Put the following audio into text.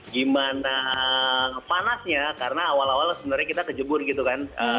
gimana panasnya karena awal awal sebenarnya kita kejebur gitu kan